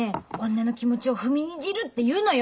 女の気持ちを踏みにじるって言うのよ！